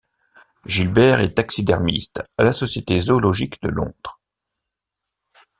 Gilbert est taxidermiste à la Société zoologique de Londres.